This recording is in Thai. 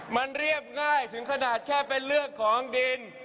มันเรียบง่ายถึงขนาดแค่เป็นเรื่องของดิน